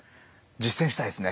実践したいですね。